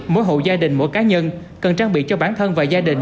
mỗi hộ gia đình mỗi cá nhân cần trang bị cho bản thân và gia đình